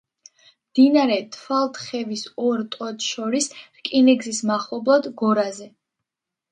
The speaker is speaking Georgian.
მდინარე თვალთხევის ორ ტოტს შორის, რკინიგზის მახლობლად, გორაზე.